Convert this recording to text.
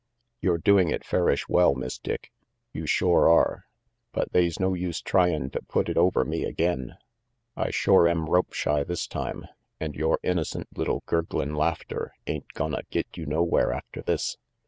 "You're doing it fairish well, Miss Dick, you shore are, but they's no use try in' to put it over me again. RANGY PETE 293 I shore am rope shy this time, and yore innocent little gurglin' laughter ain't gonna get you nowhere after this.